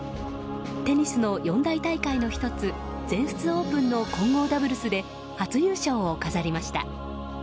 テニスの四大大会の１つ全仏オープンの混合ダブルスで初優勝を飾りました。